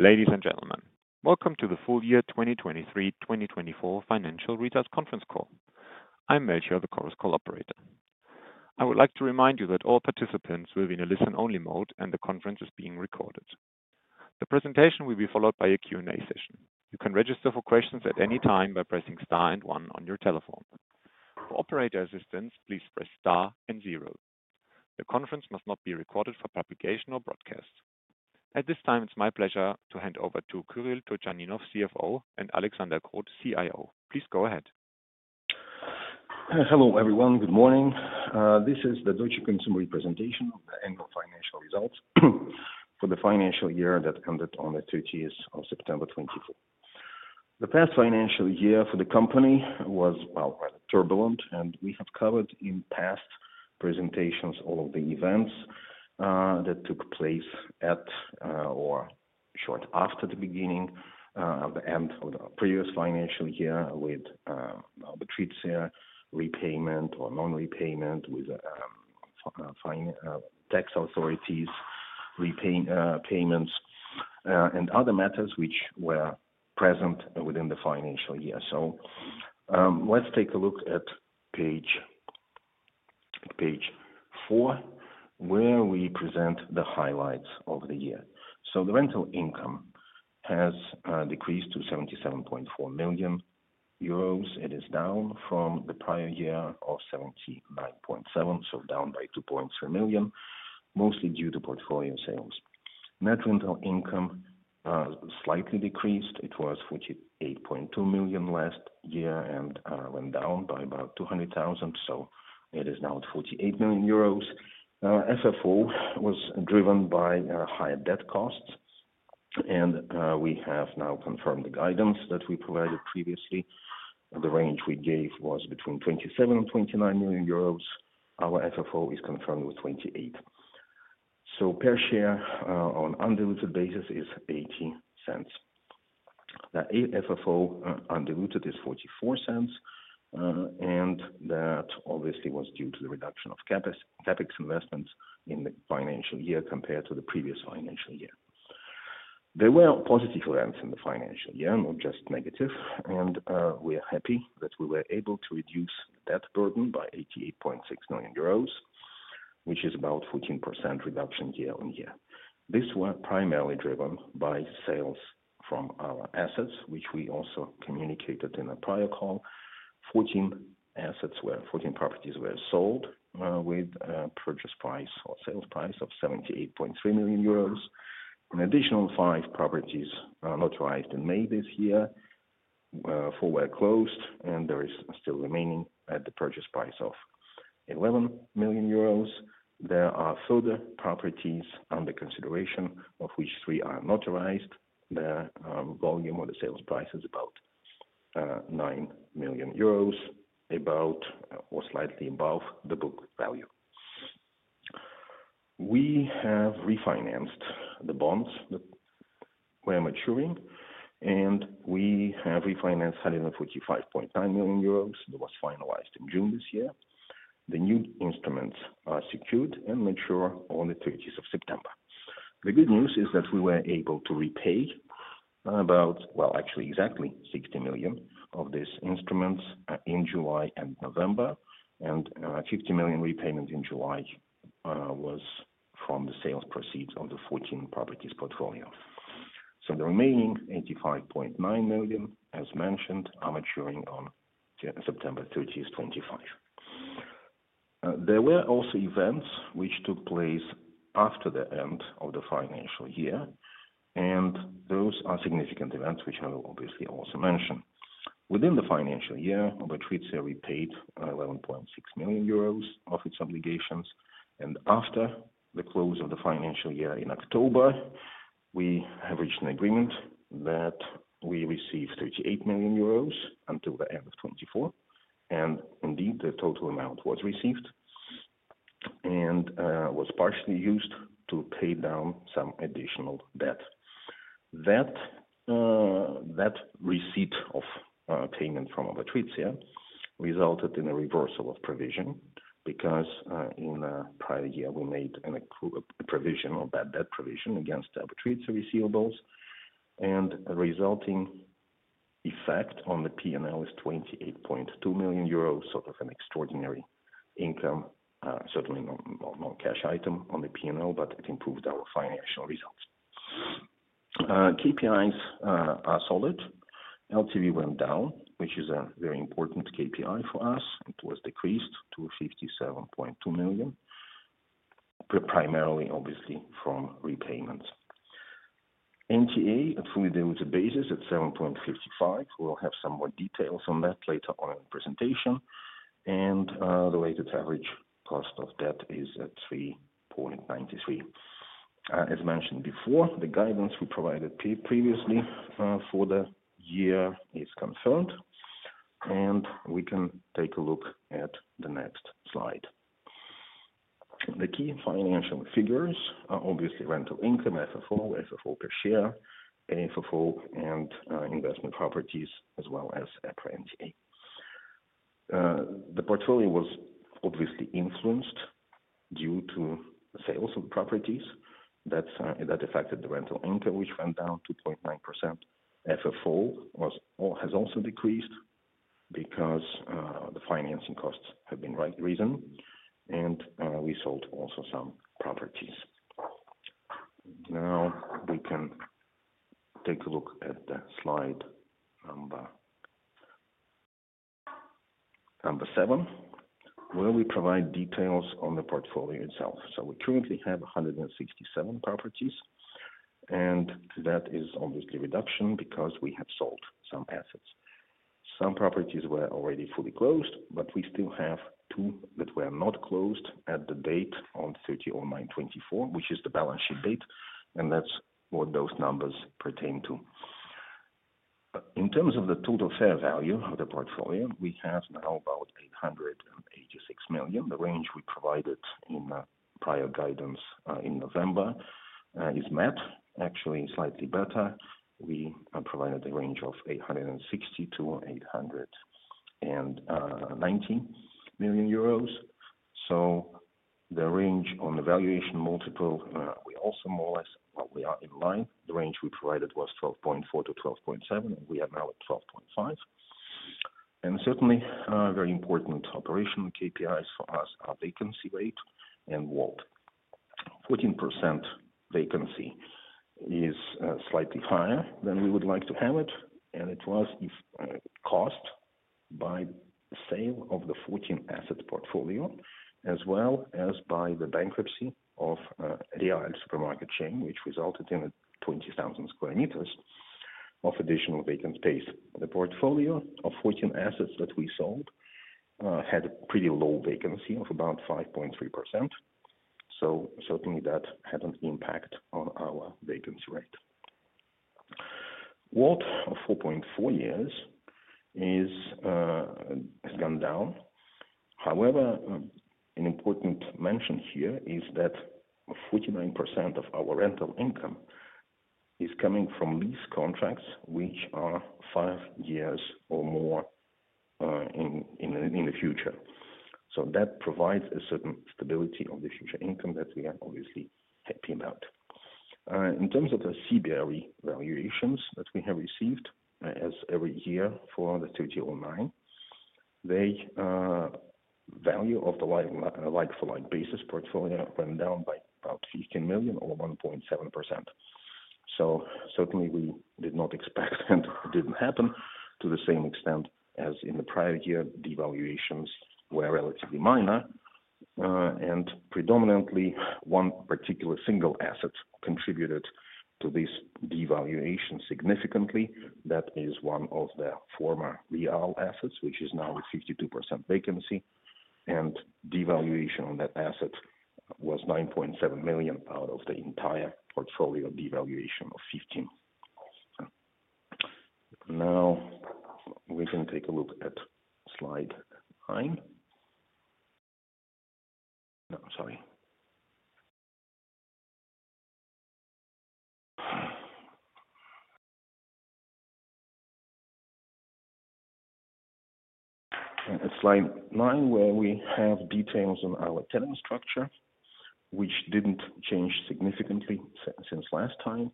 Ladies and gentlemen, welcome to the full year 2023-2024 Financial Results Conference Call. I'm Melchior, the Chorus Call Operator. I would like to remind you that all participants will be in a listen-only mode, and the conference is being recorded. The presentation will be followed by a Q&A session. You can register for questions at any time by pressing star and one on your telephone. For operator assistance, please press star and zero. The conference must not be recorded for publication or broadcast. At this time, it's my pleasure to hand over to Kyrill Turchaninov, CFO, and Alexander Kroth, CIO. Please go ahead. Hello everyone, good morning. This is the Deutsche Konsum REIT presentation of the annual financial results for the financial year that ended on the 30th of September 2024. The past financial year for the company was, well, rather turbulent, and we have covered in past presentations all of the events that took place at or short after the beginning of the end of the previous financial year with the REIT's repayment or non-repayment with tax authorities payments and other matters which were present within the financial year. So let's take a look at page four, where we present the highlights of the year. So the rental income has decreased to 77.4 million euros. It is down from the prior year of 79.7 million, so down by 2.3 million, mostly due to portfolio sales. Net rental income slightly decreased. It was 48.2 million last year and went down by about 200,000, so it is now at 48 million euros. FFO was driven by higher debt costs, and we have now confirmed the guidance that we provided previously. The range we gave was between 27 million and 29 million euros. Our FFO is confirmed with 28 million. So, per share on undiluted basis is 0.80. The FFO undiluted is 0.44, and that obviously was due to the reduction of CapEx investments in the financial year compared to the previous financial year. There were positive events in the financial year, not just negative, and we are happy that we were able to reduce the debt burden by 88.6 million euros, which is about 14% reduction year on year. This was primarily driven by sales from our assets, which we also communicated in a prior call. 14 properties were sold with a purchase price or sales price of 78.3 million euros. An additional five properties notarized in May this year were closed, and there is still remaining at the purchase price of 11 million euros. There are further properties under consideration, of which three are notarized. The volume of the sales price is about 9 million euros, about or slightly above the book value. We have refinanced the bonds that were maturing, and we have refinanced 145.9 million euros. It was finalized in June this year. The new instruments are secured and mature on the 30th of September. The good news is that we were able to repay about, well, actually exactly 60 million of these instruments in July and November, and 50 million repayment in July was from the sales proceeds of the 14 properties portfolio. So the remaining 85.9 million, as mentioned, are maturing on September 30th, 2025. There were also events which took place after the end of the financial year, and those are significant events which I will obviously also mention. Within the financial year, REITs have repaid 11.6 million euros of its obligations, and after the close of the financial year in October, we have reached an agreement that we receive 38 million euros until the end of 2024, and indeed the total amount was received and was partially used to pay down some additional debt. The receipt of payment from Obotritia resulted in a reversal of provision because in the prior year, we made a provision of that debt provision against our REITs receivables, and the resulting effect on the P&L is 28.2 million euros, sort of an extraordinary income, certainly not a cash item on the P&L, but it improved our financial results. KPIs are solid. LTV went down, which is a very important KPI for us. It was decreased to 57.2%, primarily obviously from repayments. NTA at full year basis at 7.55. We'll have some more details on that later on in the presentation. The latest average cost of debt is at 3.93%. As mentioned before, the guidance we provided previously for the year is confirmed, and we can take a look at the next slide. The key financial figures are obviously rental income, FFO, FFO per share, FFO and investment properties, as well as EPRA NTA. The portfolio was obviously influenced due to the sales of the properties. That affected the rental income, which went down 2.9%. FFO has also decreased because the financing costs have been risen, and we sold also some properties. Now we can take a look at the slide number seven, where we provide details on the portfolio itself. So we currently have 167 properties, and that is obviously a reduction because we have sold some assets. Some properties were already fully closed, but we still have two that were not closed at the date on 30/09/2024, which is the balance sheet date, and that's what those numbers pertain to. In terms of the total fair value of the portfolio, we have now about 886 million EUR. The range we provided in prior guidance in November is met, actually slightly better. We provided a range of 860 million-890 million euros. So the range on the valuation multiple, we also more or less, well, we are in line. The range we provided was 12.4-12.7, and we are now at 12.5, and certainly very important operational KPIs for us are vacancy rate and WALT. 14% vacancy is slightly higher than we would like to have it, and it was caused by sale of the 14 asset portfolio, as well as by the bankruptcy of Real supermarket chain, which resulted in 20,000 square meters of additional vacant space. The portfolio of 14 assets that we sold had a pretty low vacancy of about 5.3%. So certainly that had an impact on our vacancy rate. WALT of 4.4 years has gone down. However, an important mention here is that 49% of our rental income is coming from lease contracts, which are five years or more in the future. So that provides a certain stability of the future income that we are obviously happy about. In terms of the CBRE valuations that we have received as every year for the 30/09, the value of the like-for-like basis portfolio went down by about 15 million or 1.7%. So certainly we did not expect and it didn't happen to the same extent as in the prior year. Devaluations were relatively minor, and predominantly one particular single asset contributed to this devaluation significantly. That is one of the former Real assets, which is now with 52% vacancy, and devaluation on that asset was 9.7 million out of the entire portfolio devaluation of 15 million. Now we can take a look at slide nine. No, sorry. Slide nine, where we have details on our tenant structure, which didn't change significantly since last time.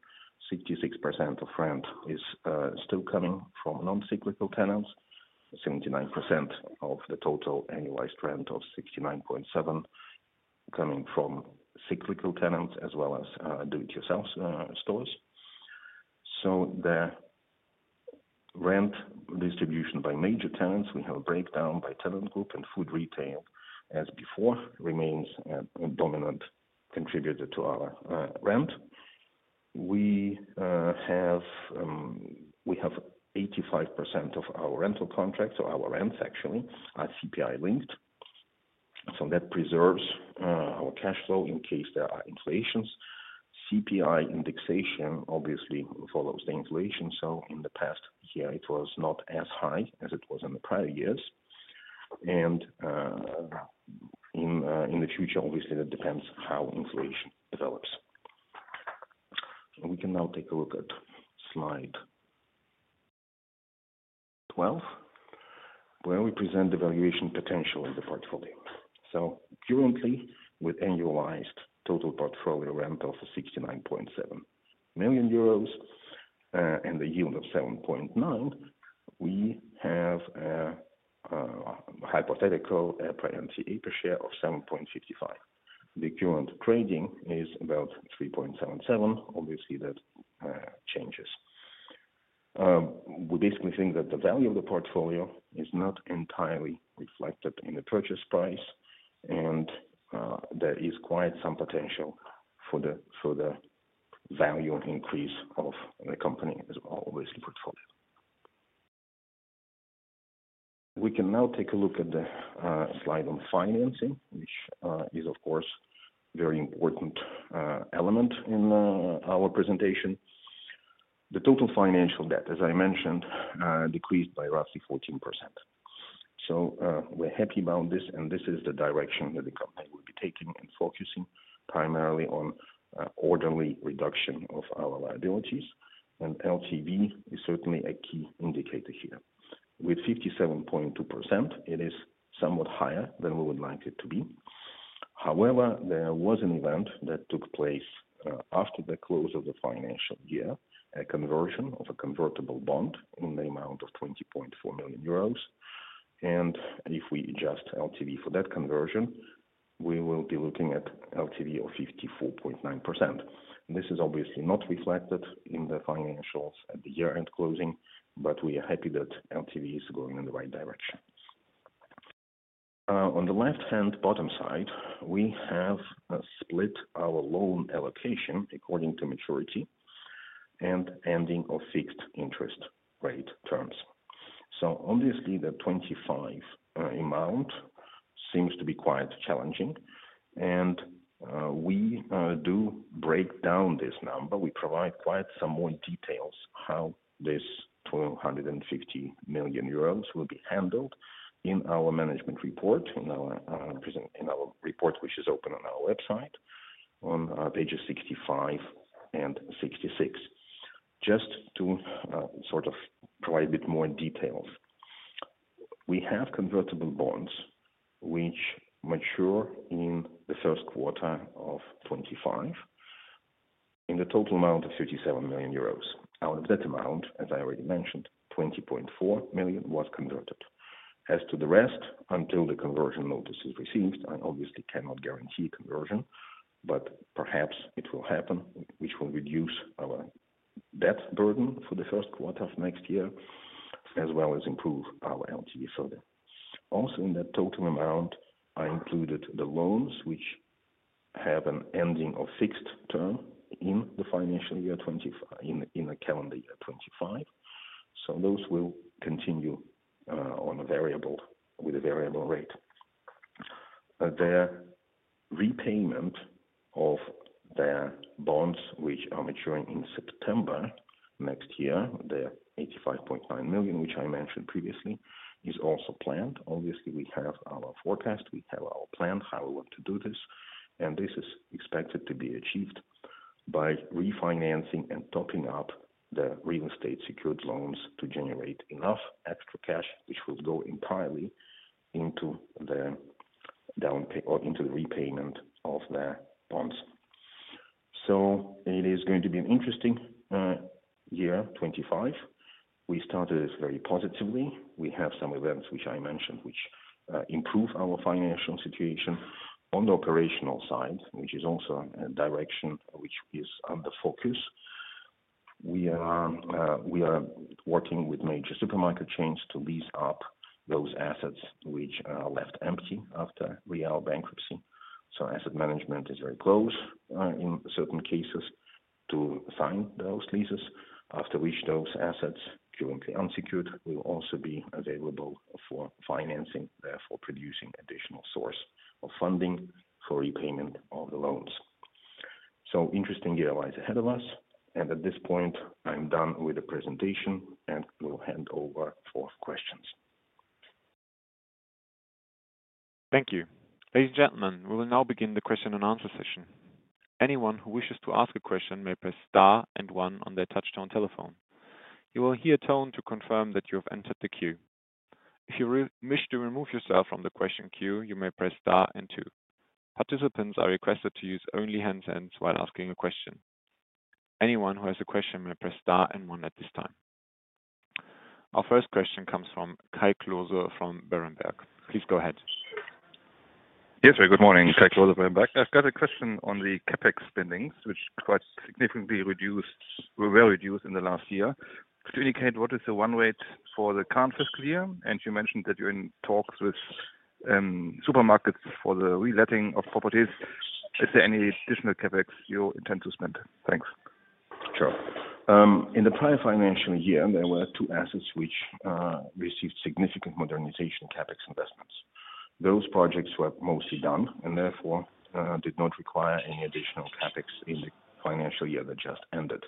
66% of rent is still coming from non-cyclical tenants, 79% of the total annualized rent of 69.7 coming from cyclical tenants as well as do-it-yourself stores, so the rent distribution by major tenants, we have a breakdown by tenant group and food retail as before, remains a dominant contributor to our rent. We have 85% of our rental contracts, or our rents actually, are CPI linked, so that preserves our cash flow in case there are inflations. CPI indexation obviously follows the inflation, so in the past year, it was not as high as it was in the prior years, and in the future, obviously, that depends how inflation develops. We can now take a look at slide 12, where we present the valuation potential of the portfolio. So currently, with annualized total portfolio rental for 69.7 million euros and the yield of 7.9%, we have a hypothetical EPRA NTA per share of 7.55. The current trading is about 3.77. Obviously, that changes. We basically think that the value of the portfolio is not entirely reflected in the purchase price, and there is quite some potential for the value increase of the company as well, obviously portfolio. We can now take a look at the slide on financing, which is, of course, a very important element in our presentation. The total financial debt, as I mentioned, decreased by roughly 14%. So we're happy about this, and this is the direction that the company will be taking and focusing primarily on orderly reduction of our liabilities. And LTV is certainly a key indicator here. With 57.2%, it is somewhat higher than we would like it to be. However, there was an event that took place after the close of the financial year, a conversion of a convertible bond in the amount of 20.4 million euros. If we adjust LTV for that conversion, we will be looking at LTV of 54.9%. This is obviously not reflected in the financials at the year-end closing, but we are happy that LTV is going in the right direction. On the left-hand bottom side, we have split our loan allocation according to maturity and ending of fixed interest rate terms, so obviously, the 25 amount seems to be quite challenging, and we do break down this number. We provide quite some more details on how this 250 million euros will be handled in our management report, in our report which is open on our website on pages 65 and 66, just to sort of provide a bit more details. We have convertible bonds which mature in the first quarter of 2025 in the total amount of 37 million euros. Out of that amount, as I already mentioned, 20.4 million was converted. As to the rest, until the conversion notice is received, I obviously cannot guarantee conversion, but perhaps it will happen, which will reduce our debt burden for the first quarter of next year, as well as improve our LTV further. Also, in that total amount, I included the loans which have an ending of fixed term in the financial year 2025, in the calendar year 2025. So those will continue with a variable rate. The repayment of the bonds which are maturing in September next year, the 85.9 million, which I mentioned previously, is also planned. Obviously, we have our forecast. We have our plan how we want to do this, and this is expected to be achieved by refinancing and topping up the real estate secured loans to generate enough extra cash which will go entirely into the repayment of the bonds. So it is going to be an interesting year, 2025. We started it very positively. We have some events which I mentioned which improve our financial situation. On the operational side, which is also a direction which is under focus, we are working with major supermarket chains to lease up those assets which are left empty after Real bankruptcy. So asset management is very close in certain cases to sign those leases, after which those assets currently unsecured will also be available for financing, therefore producing additional source of funding for repayment of the loans. an interesting year lies ahead of us, and at this point, I'm done with the presentation and will hand over for questions. Thank you. Ladies and gentlemen, we will now begin the question and answer session. Anyone who wishes to ask a question may press star and one on their touch-tone telephone. You will hear a tone to confirm that you have entered the queue. If you wish to remove yourself from the question queue, you may press star and two. Participants are requested to use only handsets while asking a question. Anyone who has a question may press star and one at this time. Our first question comes from Kai Klose from Berenberg. Please go ahead. Yes, very good morning, Kai Klose from Berenberg. I've got a question on the CapEx spendings, which quite significantly were reduced in the last year. To indicate what is the one rate for the current fiscal year, and you mentioned that you're in talks with supermarkets for the reletting of properties, is there any additional CapEx you intend to spend? Thanks. Sure. In the prior financial year, there were two assets which received significant modernization CapEx investments. Those projects were mostly done and therefore did not require any additional CapEx in the financial year that just ended.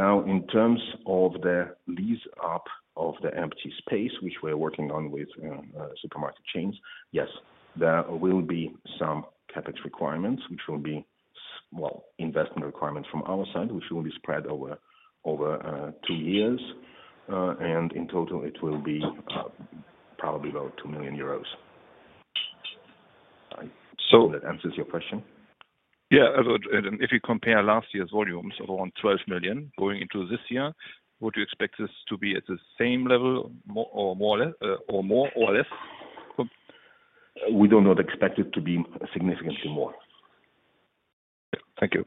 Now, in terms of the lease-up of the empty space, which we're working on with supermarket chains, yes, there will be some CapEx requirements, which will be, well, investment requirements from our side, which will be spread over two years. And in total, it will be probably about 2 million euros. I hope that answers your question. Yeah. If you compare last year's volumes of around 12 million going into this year, would you expect this to be at the same level or more or less? We do not expect it to be significantly more. Thank you.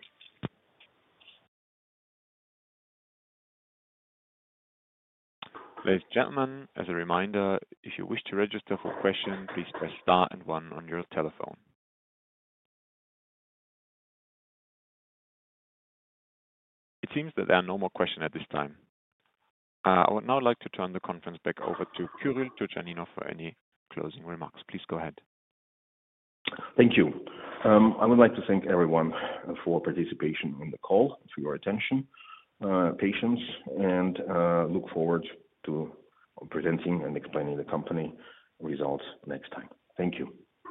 Ladies and gentlemen, as a reminder, if you wish to register for questions, please press star and one on your telephone. It seems that there are no more questions at this time. I would now like to turn the conference back over to Kyrill Turchaninov for any closing remarks. Please go ahead. Thank you. I would like to thank everyone for participating in the call, for your attention, patience, and look forward to presenting and explaining the company results next time. Thank you.